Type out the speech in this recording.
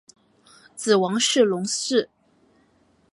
子王士隆嗣。